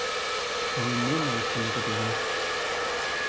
ごめんねナオキ君のこと言わなくて。